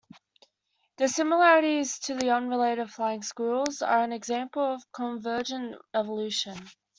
Their similarities to the unrelated flying squirrels are an example of convergent evolution.